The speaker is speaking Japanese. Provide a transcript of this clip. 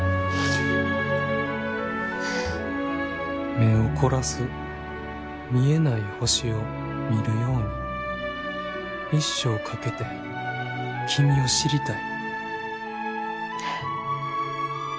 「目を凝らす見えない星を見るように一生かけて君を知りたい」。